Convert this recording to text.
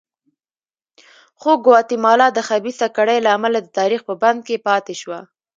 خو ګواتیمالا د خبیثه کړۍ له امله د تاریخ په بند کې پاتې شوه.